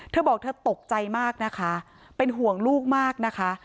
เธอบอกเธอตกใจมากนะคะเป็นห่วงลูกมากนะคะ